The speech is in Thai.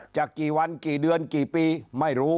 กี่วันกี่เดือนกี่ปีไม่รู้